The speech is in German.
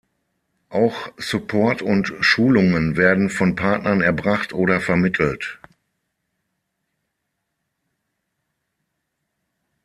Auch Support und Schulungen werden von Partnern erbracht oder vermittelt.